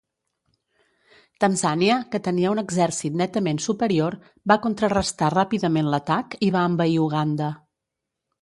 Tanzània, que tenia un exèrcit netament superior, va contrarestar ràpidament l'atac i va envair Uganda.